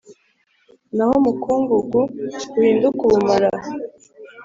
naho umukungugu uhinduke ubumara.